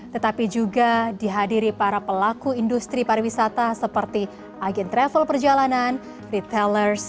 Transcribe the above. tetapi juga dihadiri para pelaku industri pariwisata seperti agen travel perjalanan retailers